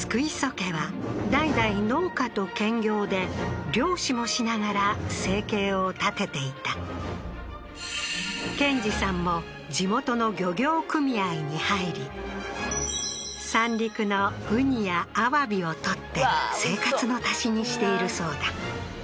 家は代々農家と兼業で漁師もしながら生計を立てていた健治さんも地元の漁業組合に入り三陸の雲丹や鮑を取って生活の足しにしているそうだ